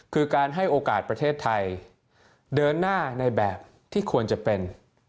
คือการให้โอกาสประเทศไทยเดินหน้าในแบบที่ควรจะเป็น